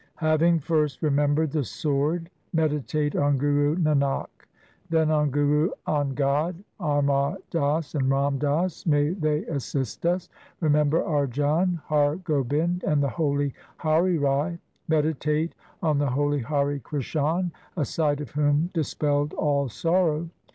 Having first remembered the Sword meditate on Guru Nanak ; Then on Guru Angad, Amar Das, and Ram Das ; may they assist us ! Remember Arjan, Har Gobind, and the holy Hari Rai ; Meditate on the holy Hari Krishan, a sight of whom dispelled all sorrow.